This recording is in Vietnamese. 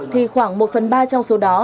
thì khoảng một phần ba trong số đó